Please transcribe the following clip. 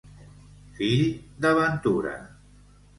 Fill de ventura.